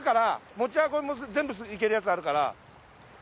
持ち運びも全部いけるやつあるから。